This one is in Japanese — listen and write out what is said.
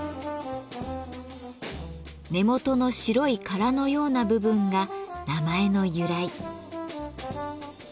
根元の白い殻のような部分が名前の由来。